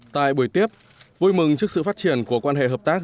tại buổi tiếp vui mừng trước sự phát triển của quan hệ hợp tác